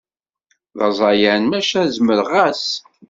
D aẓayan maca zmereɣ-as.